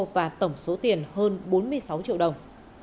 và tổng số tiền hơn bốn mươi sáu triệu đồng